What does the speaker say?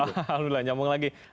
alhamdulillah nyambung lagi